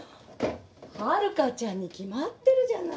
はるかちゃんに決まってるじゃない。